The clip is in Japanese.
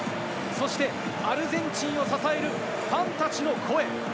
そしてアルゼンチンを支えるファンたちの声。